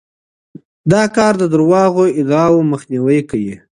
دا کار د دروغو ادعاوو مخنیوی کوي.